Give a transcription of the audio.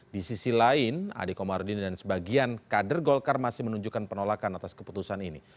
di sisi lain ade komarudin dan sebagian kader golkar masih menunjukkan penolakan atas keputusan ini